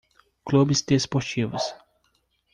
clubes desportivos.